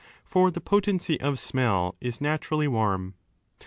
For the potency of smell is naturally wann.